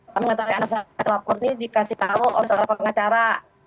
saya mengetahui anak saya telapor ini dikasih tahu oleh seorang pengacara